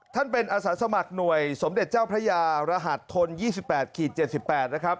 ท่านเป็นอาสาสมัครหน่วยสมเด็จเจ้าพระยารหัสทน๒๘๗๘นะครับ